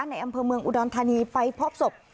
ในอำเภอเมืองอุดรธานีไปพบศพ